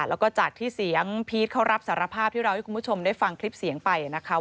แล้วก็จากที่เสียงพีชเขารับสารภาพที่เราให้คุณผู้ชมได้ฟังคลิปเสียงไปนะคะ